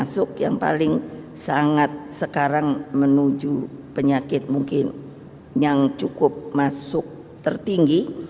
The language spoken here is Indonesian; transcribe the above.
masuk yang paling sangat sekarang menuju penyakit mungkin yang cukup masuk tertinggi